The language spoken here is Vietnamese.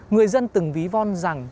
người dân từng ví von rằng